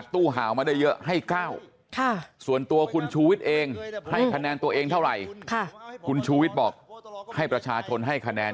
แค่ส่วนตัวคุณชูวิทย์เองให้คะแนนตัวเองเท่าไหร่ใช่คุณชูวิตบอกให้ประชาธนตร์ให้คะแนน